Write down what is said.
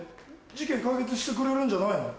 事件解決してくれるんじゃないの？